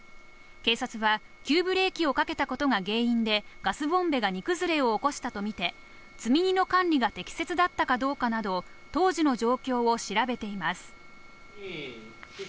警察は急ブレーキをかけたことが原因でガスボンベが荷崩れを起こしたとみて、積荷の管理が適切だったかどうかなど当時の状況を調べています。